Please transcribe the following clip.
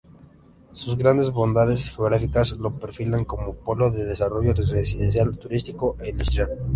Sus grandes bondades geográficas lo perfilan como polo de desarrollo residencial, turístico e industrial.